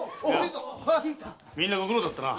みんなご苦労だったな。